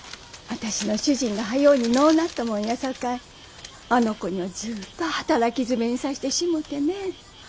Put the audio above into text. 私の主人が早うに亡うなったもんやさかいあの子にはずっと働きづめにさしてしもてねえ。